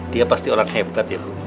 dia pasti orang hebat ya bu